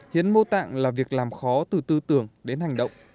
hiến mô tạng là việc làm khó từ tư tưởng đến hành động